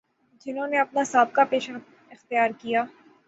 جنہوں نے اپنا سا بقہ پیشہ اختیارکیا